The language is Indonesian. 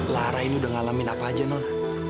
lara ini udah ngalamin apa aja non